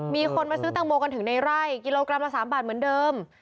มีคนมาซื้อแตงโมกันถึงในไร่กิโลกรัมละ๓บาทเหมือนเดิม